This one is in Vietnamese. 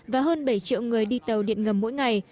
và hơn bảy triệu người đi tàu điện ngầm mỗi ngày